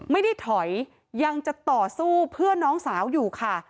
ไม่ได้ถอยยังจะต่อสู้เพื่อนน้องสาวอยู่ค่ะ